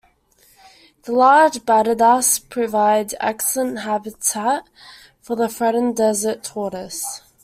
The large bajadas provide excellent habitat for the threatened desert tortoise.